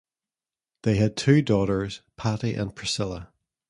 They had two daughters, Patty and Priscilla.